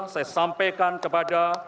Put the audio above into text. saya sampaikan kepada